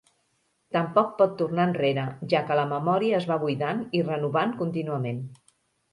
Tampoc pot tornar enrere, ja que la memòria es va buidant i renovant contínuament.